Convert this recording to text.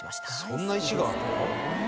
そんな石があるの？